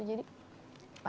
jadi pasti susah